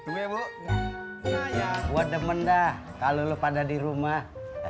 gue bu saya buat demen dah kalau lu pada di rumah